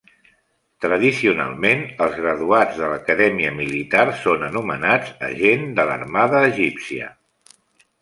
Tradicionalment, els graduats de l"Acadèmia Militar són anomenats agent de l"armada egípcia.